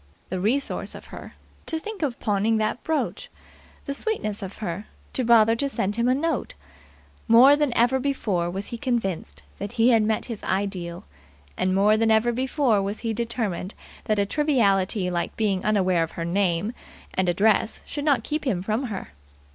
The resource of her, to think of pawning that brooch! The sweetness of her to bother to send him a note! More than ever before was he convinced that he had met his ideal, and more than ever before was he determined that a triviality like being unaware of her name and address should not keep him from her.